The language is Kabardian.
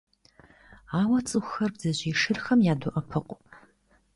Ауэ цӀыхухэр бдзэжьей шырхэм ядоӀэпыкъу.